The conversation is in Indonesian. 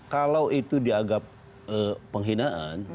kalau itu diagap penghinaan